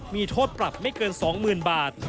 มีโทษปรับไม่เกิน๒๐๐๐บาท